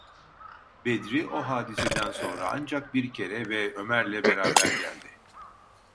Bedri o hadiseden sonra ancak bir kere ve Ömer’le beraber geldi.